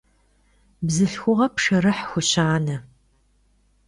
Бзылъхугъэ пшэрыхь хущанэ.